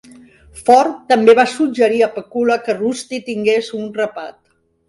Ford també va suggerir a Pakula que Rusty tingués un rapat.